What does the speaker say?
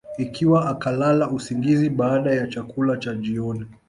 Ikiwa akalala usingizi baada ya chakula cha jioni